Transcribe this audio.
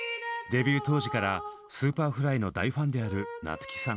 デビュー当時からＳｕｐｅｒｆｌｙの大ファンである夏木さん